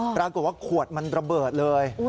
ปรากฏว่าขวดมันระเบิดเลย